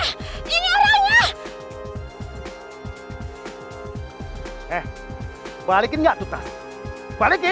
eh balikin gak tuh tas balikin